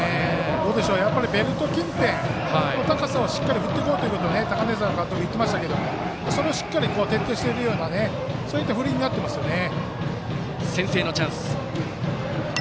どうでしょう、やっぱりベルト近辺の高さは、しっかり振っていこうということで高根澤監督言ってましたけどそれは、しっかり徹底しているような振りになっていますよね。